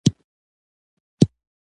آیا مناجات او نعت منثور هم وي؟